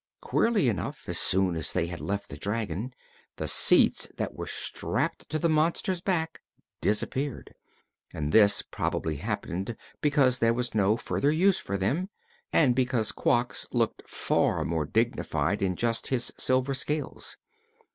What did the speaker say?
Queerly enough, as soon as they had left the dragon, the seats that were strapped to the monster's back disappeared, and this probably happened because there was no further use for them and because Quox looked far more dignified in just his silver scales.